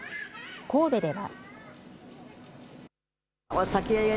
神戸では。